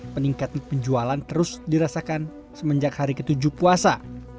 peningkatan penjualan terus dirasakan semenjak hari ketujuh puasa